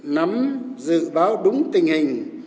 nắm dự báo đúng tình hình